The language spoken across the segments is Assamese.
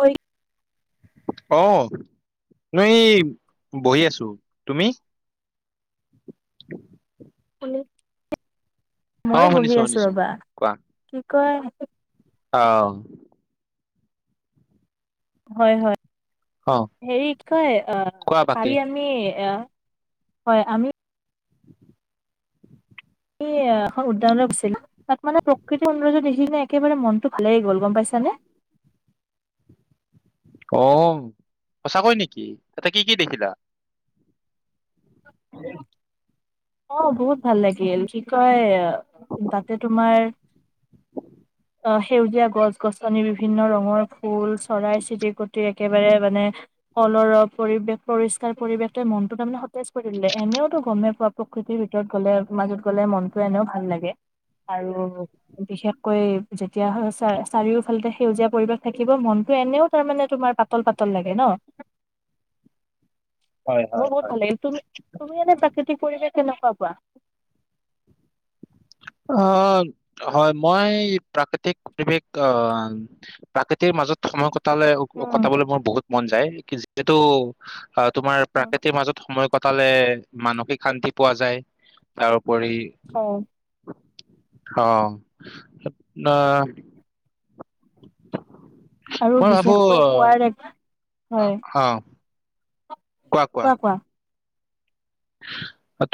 ঐ অহ মই বহি আছো তুমি? পোলে অ মইয়ো বহি শুনিছো আছো শুনিছো ৰবা কি ক আনে অ হয় হয় অ হেৰি কয় অহ কোৱা বাকী কালি আমি অহ হয় আমি আমি এখন উদ্যানলৈ গৈছিলো তাত মানে প্ৰকৃতি সৌন্দৰ্য দেখি কিনে একেবাৰে মনটো ভাল লাগি গ'ল গম পাইছানে? অ সঁচাকৈ নেকি তাতে কি কি দেখিলা উ অ বহুত ভাল লাগিল কি কয় তাতে তোমাৰ অ সেউজীয়া গছ গছনি বিভিন্ন ৰঙৰ ফুল চৰাই চিৰিকটি একেবাৰে মানে কল্লৰ পৰিৱেশ পৰিষ্কাৰ পৰিৱেশটোৱে মনটো তাৰমানে সতেজ কৰি দিলে এনেওতো গমেই পোৱা প্ৰকৃতিৰ ভিতৰত গলে মাজত গলে মনটো এনেও ভাল লাগে আৰু বিশেষকৈ যেতিয়া চাৰিওফালেতে সেউজীয়া পৰিৱেশ থাকিব মনটো এনেও তাৰমানে তোমাৰ পাতল পাতল লাগে ন হয় মো হয় বহুত হয় ভাল লাগিল তুমি তুমি এনে প্ৰাকৃতিক পৰিৱেশ কেনেকুৱা পোৱা? অ' হয়। মই প্ৰাকৃতিক পৰিৱেশ অ- প্ৰাকৃতিৰ মাজত সময় ক কটালে- উম, কটাবলৈ মোৰ বহুত মন যায়। কি যিহেতু অ' তোমাৰ উম। প্ৰাকৃতিৰ মাজত সময় ক টালে মানসিক শান্তি পোৱা যায় আৰু পৰি হয় অ' ন [unintelligible] আৰু মই ভাবো বিশেষকৈ পুৱাৰ [inaudible] অ' - অ'। কোৱা - কোৱা।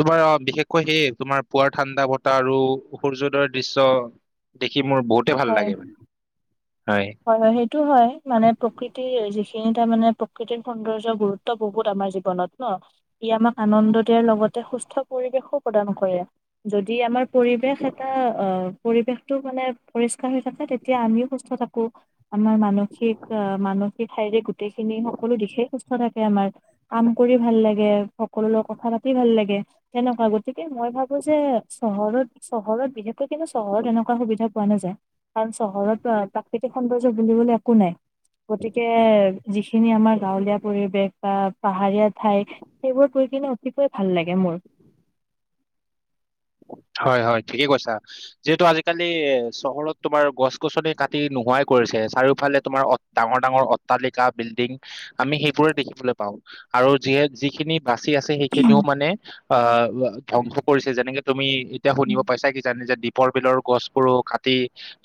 তোমাৰ বিশেষকৈ সেয়ে, তোমাৰ পুৱাৰ ঠাণ্ডা বতাহ আৰু সূৰ্যোদয় দৃশ্য দেখি খি মোৰ বহুতে ভাল হয়। লাগে মানে। হয় - হয়। সেইটো হয়। মানে প্ৰকৃতিৰ যিখি নি তাৰ মানে প্ৰকৃতিৰ সৌন্দৰ্যৰ গুৰুত্ব বহুত আমাৰ জীৱনত ন'? ই আমাক আনন্দ দিয়াৰ লগতে সুস্থ পৰিৱেশো প্ৰদান কৰে। যদি আমাৰ পৰিৱেশ এটা অ' পৰিৱেশটো মানে পৰিষ্কাৰ হৈ থাকে, তেতিয়া আমিও সুস্থ থাক কো আমাৰ মানসিক- অ' মানসিক ঠাইৰে গোটেইখিনি সকলো দিশে সুস্থ থাকে আমাৰ। কাম কৰি ভাল লাগে। সকলোৰ লগত কথা পাতি ভাল লাগে। তেনেকুৱা গ গতিকে মই ভাবোঁ চহৰত চহৰত বিশেষকৈ কিন্তু, চহৰত এনেকুৱা সুবিধা পোৱা নাযায়। কাৰণ চহৰতো আৰু সেইতি সৌন্দৰ্য বুলিবলৈ একো নাই। গতিকে যি যিখিনি আমাৰ গাঁৱলীয়া পৰিৱেশ বা পাহাৰীয়া ঠাই, সেইবোৰ গৈ কিনে অতিকৈ ভাল লাগে মোৰ। হয় - হয়, ঠিকেই কৈছা। যিহেতু আজিকালি চহৰত তোমাৰ গছ-গছনি কাটি নোহোৱাই কৰিছে। চাৰিওফালে তোমাৰ অ- ডাঙৰ - ডাঙৰ অট্টালিকা, বিল্ডিং আমি সেইবোৰে দেখিবলৈ পাওঁ। আৰু যিহে- যিখিনি বাচি আছে, সেইখিনিও মানে অ'। উ- ধ্বংস কৰিছে যেনেকে এতিয়া শুনিব উম, পাইছা কি নিজে দ্বীপৰ বিলৰ গছবোৰো কাটি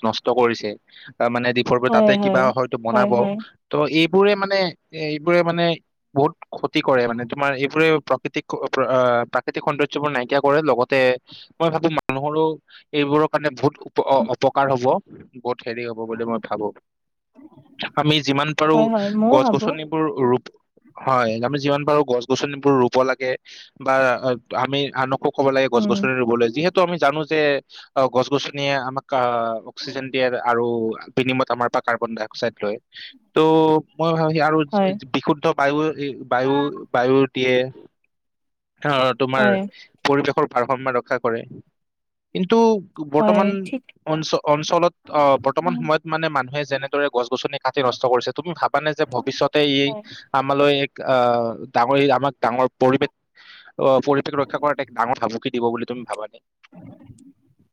নষ্ট কৰিছে অ মানে দ্বীপৰ বিল তাতে হয় কিবা হয় হয়টো হয় বনাব হয় ত' এই এইবোৰে মানে এ এইবোৰে মানে বহুত ক্ষতি কৰে মানে তোমাৰ এইবোৰে প্ৰাকৃতিক প্ৰাকৃতিক সৌন্দৰ্য বোৰ নাইকিয়া কৰে লগত লগতে মই ভাবো মানুহৰো এইবোৰৰ কাৰণে বহুত উপ অ অপকাৰ হ'ব বহুত হেৰি হব বুলি মই ভাবো আমি যিমান পাৰো হয় হয় ময়ও গছ ভাবো গছনিবোৰ ৰূপ হয় আমি যিমান পাৰো গছ গছনিবোৰ ৰুব লাগে বা আমি আনকো কব লাগে গছ উম গছনি ৰুবলৈ যিহেতু আমি জানো যে উ [unintelligible] অ গছ গছনিয়ে আমাক আ অক্সিজেন দিয়ে আৰু বিনিময়ত আমাৰ পৰা কাৰ্বন ডাই চাইড লয় তু মই ভাবো আৰু হয় বিশুদ্ধ বায়ু বায়ু বায়ুৰ দিয়ে অ তোমাৰ হয় পৰিৱেশৰ ভাৰসাম্য ৰক্ষা কৰে কিন্তু টো হয় বৰ্তমান ঠিক অঞ্চ অঞ্চলত অ বৰ্তমান সময়ত মানে মানুহে যেনেদৰে গছ গছনি কাটি নষ্ট কৰিছে তুমি ভাবানে যে ভৱিষ্যতে হয় ই আমালৈ অ ডাঙৰে আমাক ডাঙৰ পৰিৱেশ অ পৰিৱেশ ৰক্ষা কৰা এক ডাঙৰ ভাবুকি দিব বুলি তুমি ভাবা নাই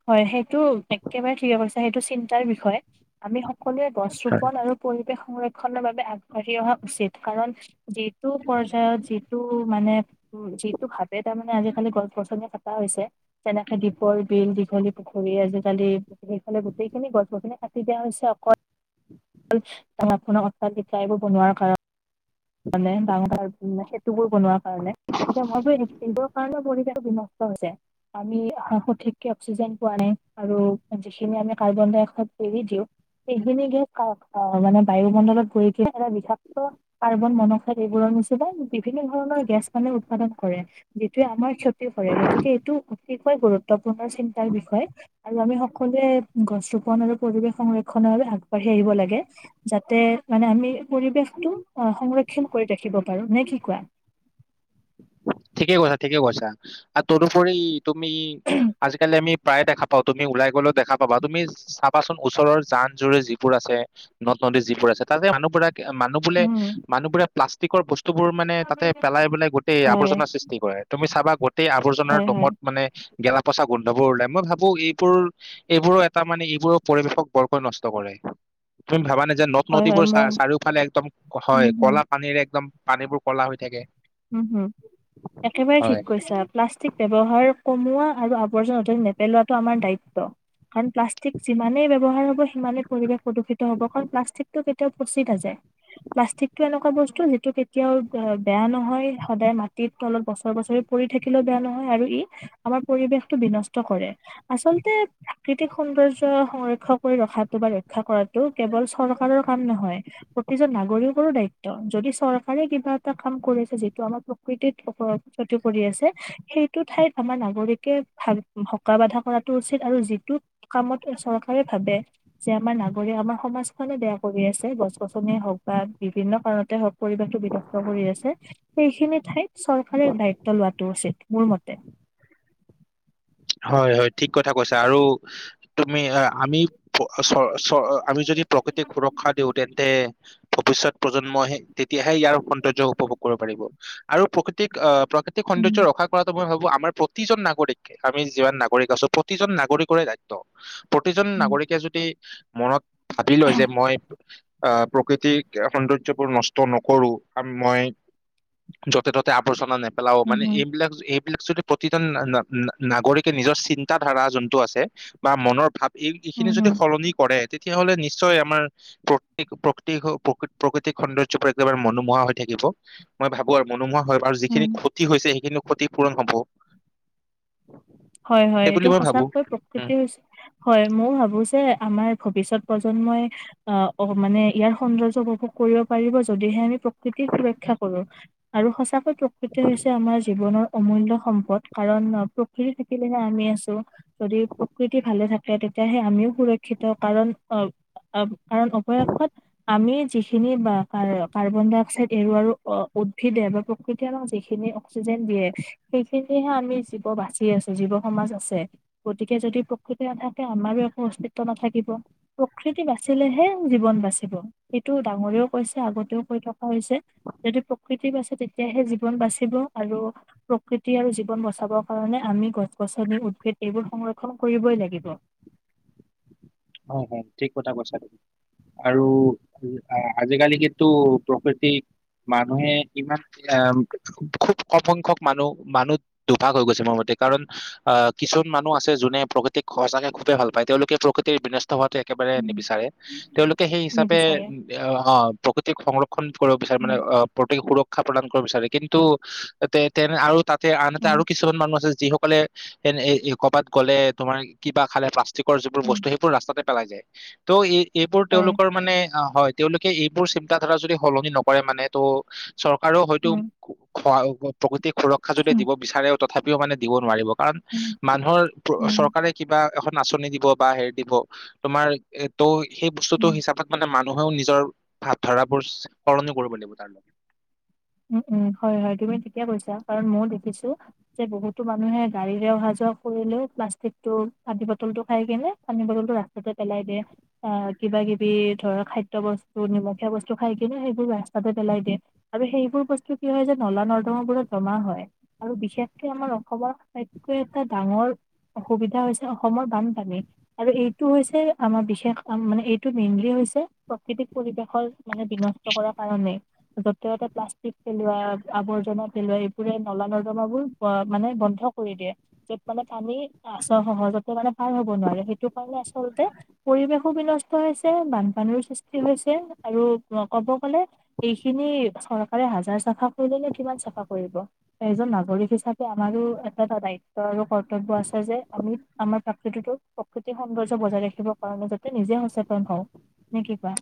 হয় সেইটো একেবাৰে ঠিকে কইছা সেইটো চিন্তাৰ বিষয় আমি সকলোৱে গছ ৰোপন আৰু পৰিৱেশ সংৰক্ষনৰ বাবে আগবাঢ়ি অহা উচিত কাৰণ যিটো পৰ্যায়ত যিটো মানে উ যিটো ভাৱে তাৰমানে আজিকালি গছ গছনি কটা হৈছে যেনেকে দীপৰ বিল দীঘলী পুখুৰী আজিকালি সেইফালে গোটেইখিনি গছ গছনিয়ে কাটি দিয়া হৈছে অকল ডাঙৰখনক আকলি জিকাইবোৰ বনোৱাৰ কাৰণ। মানে ডাঙৰ ডাঙৰ সেতুবোৰ বনোৱা কাৰণে গতিকে মই ভাবো এইবোৰ কাৰণে পৰিৱেশ বিনষ্ট যায় আমি সঠিককে অক্সিজেন পোৱা নাই আৰু যিখিনি আমি কাৰ্বন ডাই অক্সাইড এৰি দিওঁ সেইখিনি গেছ মানে বায়ুমণ্ডলত ঘুৰিকিনে এটা বিষাক্ত কাৰ্বন মনক্সাইড এইবোৰৰ নিচিনা বিভিন্ন ধৰণৰ গেছ মানে উৎপাদন কৰে যিটোৱে আমাৰ ক্ষতি ক্ষতি কৰে গতিকে এইটো অতিকৈ গুৰুত্বপূৰ্ণ চিন্তাৰ বিষয় আৰু আমি সকলোৱে গছ ৰোপন আৰু পৰিৱেশ সংৰক্ষনৰ বাবে আগবাঢ়ি আহিব লাগে যাতে মানে আমি পৰিৱেশটো সংৰক্ষণ কৰি ৰাখিব পাৰো নে কি কোৱা। ঠিকেই কৈছা ঠিকেই কৈছা আৰু তদুপৰি তুমি আজিকালি আমি প্ৰায়ে দেখা পাওঁ অ তুমি ওলাই গ'লেও দেখা পাবা তুমি চাবাচোন ওচৰৰ জান জুৰি যিবোৰ আছে নদ নদী যিবোৰ আছে তাৰে মানুহবিলাক মানুহ বোৰে উম মানুহ বোৰে প্লাষ্টিক সি কৰ বস্ স্তুবোৰ মানে তাতে পেলাই পেলাই গোট টেই হয় আৱৰ্জনা সৃষ্টি কৰে তো তমি চাবা গোট টেই আৱৰ্জনাৰ হয় হয় দমত মানে গেলা পচা গোন্ধবোৰ ওলাই মই ভাবো এইবোৰ এইবোৰ এটা মানে এইবোৰৰ পৰিবেশক বৰকৈ নষ্ট কৰে তুমি ভাবা নে যে নদ হয় হয় নদীবোৰ চা মই চাৰিওফালে একদম উম হয় হম ক'লা পানীৰে একদম পানীবোৰ কলা হৈ থাকে উ একেবাৰে ঠিক হয় কৈছা প্লাষ্টিক ব্যৱহাৰ কমোৱা আৰু আ বৰ্জনা নেপেলোৱাটো আমাৰ দায়িত্ব ত্ব আৰু প্লাষ্টিক যিমানেই ব্যৱহাৰ হব সিমানেই পৰিৱেশ প্ৰদূষিত হব কাৰণ প্লাষ্টিকটো কেতি য়াও পছি নাযায়। প্লাষ্টিকটো এনেকুৱা বস্তু সেইটো কেতিয়াও বেয়া নহয় সদায় মাটিত তলত বছৰে বছৰি পৰি থাকিলেও বেয়া নহয় আৰু ই আমাৰ পৰিৱেশতটো বিনষ্ট কৰে আচলতে প্ৰাকৃতিক সৌন্দৰ্য্য সংৰক্ষণ কৰি ৰখাটো বা ৰক্ষা কৰাটো কেৱল চৰকাৰৰ কাম নহয় প্ৰতিজন নাগৰিকৰো দায়িত্ব। যদি চৰকাৰে কিবা এ কাম কৰি আছে যিটো আমাৰ প্ৰকৃতিত উপৰত ক্ষতি কৰি আছে সেইটো ঠাইত আমাৰ নাগৰিকে ভাল হকা বাধা কৰাতটো উচিত আৰু যিটো কামত চৰকাৰে ভাবে যে আমাৰ নাগৰিক আমাৰ সমাজখনে বেয়া কৰি আছে গছ গছনিয় হওক বা বিভিন্ন কাৰণতে হওক পৰিৱেশটো বিনষ্ট ষ্ট কৰি আছে সেইখিনি ঠাইত চৰকাৰে দায়িত্ব লোৱাটো উচিত। মোৰ মতে। হয় হয় ঠিক কথা কৈছে আৰু তুমি আমি চৰ চৰ আমি যদি প্ৰকৃতিক সুৰক্ষা দিওঁ তেন্তে ভৱিষ্যত প্ৰজন্মই তেতিয়াহে ইয়াৰ সৌন্দৰ্য উপভোগ কৰিব পাৰিব আৰু প্ৰকৃতিক আহ প্ৰা কৃতিক সৌন্দৰ্য উম ৰক্ষা কৰাটো বৰ সহজ আমাৰ প্ৰতিজন নাগৰিকে আমি যিমান নাগৰিক আছোঁ প্ৰতিজন নাগৰিকৰে দায়িত্ব। প্ৰতিজন উম নাগৰিকে যদি মনত ভাবি লয় যে মই আহ প্ৰকৃতিৰ সৌন্দৰ্যবোৰ নষ্ট নকৰো আৰু মই য'তে ত'তে আৱৰ্জনা নেপে পেলওঁ উম মানে হুম এইবিলাক এই বিলাক যদি প্ৰতিজন না না নাগৰিকে নিজৰ চিন্ত ধাৰা যোনটো আছে বা মনৰ ভাৱ এই এইখিনি উম যদি হুম সলনি কৰে তেতিয়াহলে নিশ্চয় আমাৰ প্ৰকৃ প্ৰকৃ প্ৰ প্ৰকৃতিক সৌন্দৰ্য একেবাৰে মনোমোহা হৈ থাকিব মই ভাবো আৰু ম‌ই নোহোৱা হয় আৰু উম যিখিনি ক্ষতি হৈছে সেইখিনিও ক্ষতিপূৰণ হ'ব হয় হয় সেই বুলি এইটো মই ভাবো। সঁচাকৈ উম। প্ৰকৃতি হয় মই ভাবো যে আমাৰ ভৱিষ্যত প্ৰজন্মই আহ অ মানে ইয়াৰ সৌন্দৰ্য উপভোগ কৰিব পাৰিব যদিহে আমি প্ৰকৃতি সুৰক্ষা কৰো আৰু সঁচাকৈ প্ৰকৃতি হৈছে আমাৰ জীৱনৰ অমূল্য সম্পদ কাৰণ মাটি লে আমি আছো ন যদি প্ৰকৃতি ভালে থাকে। তেতিয়াহে আমিও সুৰক্ষিত কাৰণ অ কাৰণ অৱশেষত আমি যিখিনি বা কাৰ্বন ডাই অক্সাইড এৰুৱাৰো উদ্ভিদে বা প্ৰকৃতি আমাক যিখিনি অক্সিজেন দিয়ে সেইখিনিহে আমি জীৱ বাচি আছো জীৱ সমাজ আছে গতিকে যদি প্ৰকৃতি নাথাকে আমাৰো একো অস্তিত্ব নাথাকিব প্ৰকৃতি বাচিলেহে জীৱন বাচিব সেইটো ডাঙৰেও কৈছে আগতেও কৈ থকা হৈছে যদি প্ৰকৃতি বাচে তেতিয়াহে জীৱন বাচিব আৰু প্ৰকৃতি আৰু জীৱন বচাবৰ কাৰণে আমি গছ গছনি উদ্ভিদ এইবোৰ সংৰক্ষণ কৰিবই লাগিব হয় হয় ঠিক কথা কৈছা আৰু আজিকালি কিন্তু প্ৰকৃতি মানুহে ইমান আহ খুব কম সংখ্যক মানুহ মানুহ দুভাগ হৈ গৈছে মোৰ মতে কাৰণ আহ কিছুমান মানুহ আছে যোনে প্ৰকৃতিক সচাকে খুবেই ভাল পায় তেওঁলোকে প্ৰকৃ টি বিলাক হোৱাটো একেবাৰে নিবিচাৰে তেওঁলোকে সেই হিচাপে নিবিচাৰে অ প্ৰক সংৰ ন কৰিব বিচাৰে মানে উম অ প্ৰকৃতি সুৰক্ষ শিক্ষা প্ৰদান কৰিব বিচাৰে কিন্তু তেনে আৰু তাত তে আনহতে আৰু কিছুমান মানুহ আছে যিসকলে এ এ কবাত গ'লে তোমাৰ কিবা খালে প্লাষ্টিকৰ যিবোৰ উম বস্ত বোৰ ৰাস্তাতে পেলাই যায় ত' ই এইবোৰ হয় তেওঁলোকৰ মানে অ হয় তেওঁলোকে এইবোৰ চিন্তা ধাৰা যদি সলনি নকৰে মানে ত' চৰকাৰে হয়তো উম প্ৰকৃতিক সুৰক্ষা যদি দিব বিচাৰে তথাপিও মানে দিব নোৱাৰিব। কাৰণ উম মানুহৰ চৰকাৰে কিবা। এখন আাচনি দিব বা হেৰি। দিব তোমাৰ তৌ সেই বস্তুটো উম হিচাপত মানে মানে্ নহয়ও নিজৰ ভাৱধাৰাবোৰ সলনি কৰিব লাগিব তাৰ লগত উম উম হয় হয় তুমি থিকে কৈছা। কাৰণ মই দেখিছো। যে বহুতো মানুহে গাড়ীৰে অহা যোৱা কৰিলেও প্লাষ্টিক টো পানী বটল টো খাই কিনে পানী বটল টো ৰাস্তাতে পেলাই দিয়ে আহ কিবা কিবি ধৰ খাদ্য বস্তু নিমখীয়া বস্তু খাই কিনে সেইবোৰ ৰাস্তাতে পেলাই দিয়ে আৰু সেই সেইবোৰ বস্তু কি হয় জানা নলা নৰ্দমাত বোৰত জমা হয় আৰু বিশেষকে আমাৰ অসমৰ আটাইতকৈ এটা ডাঙৰ অসুবিধা হৈছে অসমৰ বানপানী আৰু এইটো হৈছে আমাৰ বিশেষ মানে এইটো মেইনলি হৈছে প্ৰকৃতিক পৰিৱেশৰ। মানে বিনষ্ট কৰাৰ কাৰণেই। জতে টতে প্লাচ পেলোৱা আৱৰ্জনা পেলোৱা এইবোৰে নলা নৰ্দমাাবোৰ মানে বন্ধ কৰি দিয়ে য'ত মানে পানী সহজতে মানে ভাল হব নোৱাৰে সেইটো কাৰণে আচলতে পৰিৱেশো বিনষ্ট হৈছে বানপানীৰ সৃষ্টি হৈছে আৰু কব গলে এইখিনি চৰ আৰু হাজাৰ চাফা কৰিলে নে কিমান চাফা কৰিব এজন নাগৰিক হিচাপে আমাৰো এটা এটা দায়িত্ব আৰু কৰ্তব্য আছে যে আমি আমাৰ প্ৰাকৃতিটোক প্ৰাকৃতিক সৌন্দৰ্য বজাই ৰাখিবৰ কাৰণে যাতে নিজে সচেতন হওঁ নে কি কোৱা।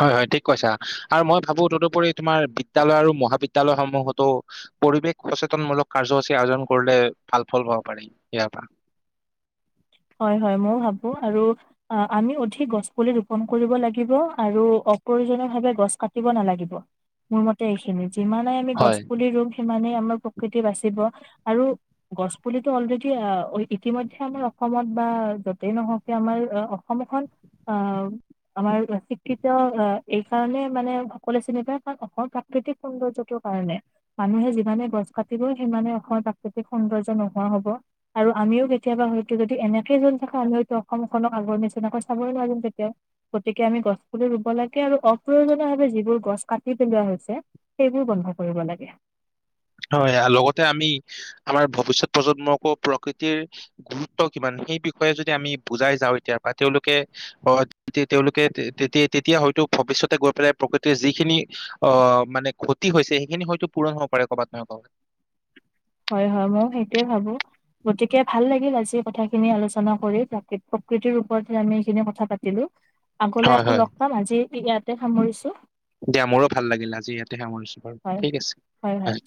হয়, হয়, ঠিক কৈছা, আৰু মই ভাবো তদুপৰি তোমাৰ বিদ্য়ালয় আৰু মহাবিদ্যালয়সমূহতো পৰিৱেশ সচেতনমূলক কাৰ্যসূচী আয়োজন কৰিলে ভাল ফল পাব পাৰি, ইয়াৰ পৰা হয় হয় ময়ও ভাবোঁ, আৰু আমি অধিক গছ পুলি ৰোপন কৰিব লাগিব আৰু অপ্ৰয়োজনীয় ভাৱে গছ কাটিব নালাগিব, মোৰ মতে এইখিনি যিমানে আমি গছ হয় পুলি ৰুম, সিমানে আমাৰ প্ৰকৃতি বাচিব, আৰু গছ পুলিটো অ'লৰেডি, ইতিমধ্যে আমি অসমত বা য'তেই নহওকে, আমাৰ অসমখন অ আমাৰ শিক্ষিত অঁ এই কাৰণে মানে সকলোৱে চিনি পায় কাৰণ অসমৰ প্ৰাকৃতিক সৌন্দৰ্যটোৰ কাৰণে, মানুহে যিমানে গছ কাটিব সিমানে অসমৰ প্ৰাকৃতিক সৌন্দৰ্য নোহোৱা হ'ব, আৰু আমিও কেতিয়াবা হয় যদি, এনেকে যদি থাকে, আমি হয়তো অসমখনক আগৰ নিচিনাকৈ চাবই নোৱাৰো তেতিয়া, গতিকে আমি গছ পুলি ৰুব লাগে আৰু অপ্ৰয়োজনীয় ভাৱে যিবোৰ গছ কাটি পেলোৱা হৈছে সেইবোৰ বন্ধ কৰিব লাগে। হয়, লগতে আমি আমাৰ ভৱিষ্যত প্ৰজন্মকো প্ৰকৃতিৰ গুৰুত্ব কিমান সেই বিষয়ে যদি আমি বুজাই যাওঁ এতিয়া পৰা তেওঁলোকে অঁ, তেওঁলোকে তেতি, তেতিয়া হয়তো ভৱিষয়তে গৈ পেলাই প্ৰকৃতিৰ যিখিনি অঁ মানে ক্ষতি হৈছে সেইখিনি হয়তো পূৰণ হ'ব পাৰে কৰ'বাত। নাপাব। হয় হয়, ময়ো সেইটোয়ে ভাবো, গতিকে ভাল লাগিল আজি কথাখিনি আলোচনা কৰি, প্ৰকৃতিৰ ওপৰতহে আমি এইখিনি কথা পাতিলোঁ। আগলৈ হয় আকৌ হয় লগ পাম, আজি ইয়াতে সামৰিছো। দিয়া মোৰো ভাল লাগিল, আজি ইয়াতে সামৰিছোঁ, হয় ঠিক আছে হয়